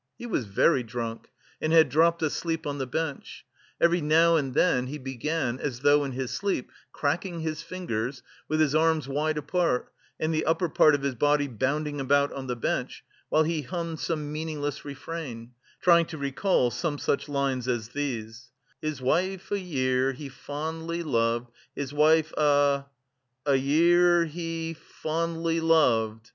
He was very drunk: and had dropped asleep on the bench; every now and then, he began as though in his sleep, cracking his fingers, with his arms wide apart and the upper part of his body bounding about on the bench, while he hummed some meaningless refrain, trying to recall some such lines as these: "His wife a year he fondly loved His wife a a year he fondly loved."